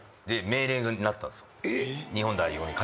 命令になったんですよ。